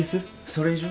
それ以上？